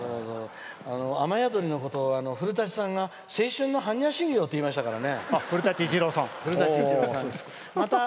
「雨やどり」のことを古舘さんが青春の般若心経って言いましたからね。